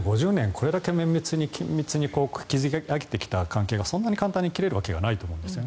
これだけ綿密に築き上げてきた関係がそんなに簡単に切れるわけはないんですね。